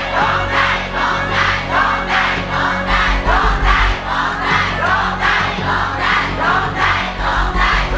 ร้องได้ร้องได้ร้องได้